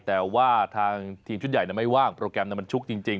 แต่ว่าทางทีมชุดใหญ่ไม่ว่างโปรแกรมมันชุกจริง